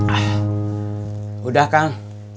ah udah kang